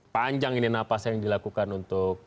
panjang ini napas yang dilakukan untuk